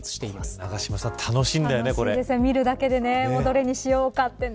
永島さん楽し見るだけでどれにしようかってね。